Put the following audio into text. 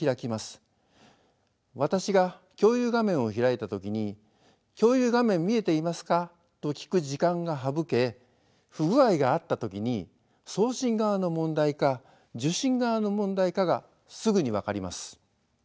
私が共有画面を開いた時に「共有画面見えていますか？」と聞く時間が省け不具合があった時に送信側の問題か受信側の問題かがすぐに分かります。